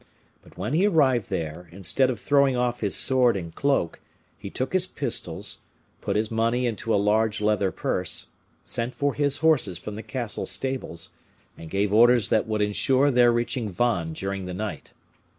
But when he arrived there, instead of throwing off his sword and cloak, he took his pistols, put his money into a large leather purse, sent for his horses from the castle stables, and gave orders that would ensure their reaching Vannes during the night.